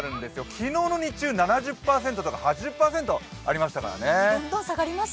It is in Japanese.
昨日の日中７０％とか８０％ありましたからね。